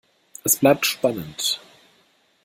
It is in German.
Es bleibt spannend.